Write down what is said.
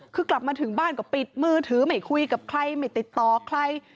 คือกลับมาถึงบ้านก็ปิดมือถือไม่คุยกับใครไม่ติดต่อใคร